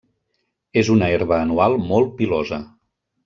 És una herba anual molt pilosa.